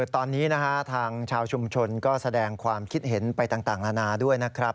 ตอนนี้ทางชาวชุมชนก็แสดงความคิดเห็นไปต่างนานาด้วยนะครับ